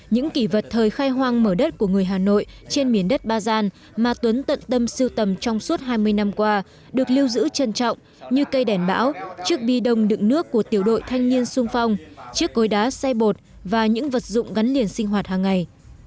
những kỷ vật thời khai hoang mở đất của người hà nội trên miền đất ba gian mà tuấn tận tâm siêu tầm trong suốt hai mươi năm qua được lưu giữ trân trọng như cây đèn bão chiếc bi đông đựng nước của tiểu đội thanh niên sung phong chiếc cối đá xe bột và những vật dụng gắn liền sinh hoạt hàng ngày